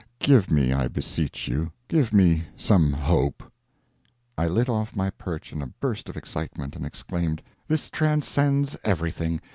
Give me, I beseech you, give me some hope!" I lit off my perch in a burst of excitement, and exclaimed: "This transcends everything!